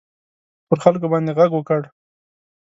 پر خلکو باندي ږغ وکړ.